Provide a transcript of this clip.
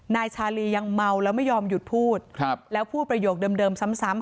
นายชาลียังเมาแล้วไม่ยอมหยุดพูดแล้วพูดประโยคเดิมซ้ำ